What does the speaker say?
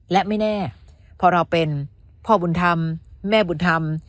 และไม่แน่พอเราเป็นพ่อบุญธรรมแม่บุญธรรม